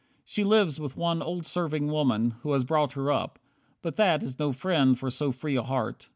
She lives with one Old serving woman, who has brought her up. But that is no friend for so free a heart.